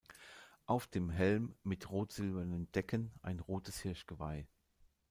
Auf dem Helm mit rot-silbernen Decken ein rotes Hirschgeweih.